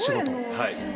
はい。